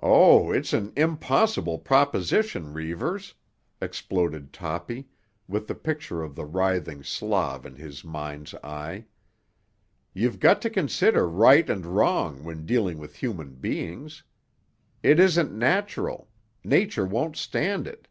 "Oh, it's an impossible proposition, Reivers!" exploded Toppy, with the picture of the writhing Slav in his mind's eye. "You've got to consider right and wrong when dealing with human beings. It isn't natural; Nature won't stand it."